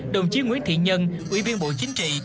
đồng chí nguyễn thị nhân ủy viên bộ chính trị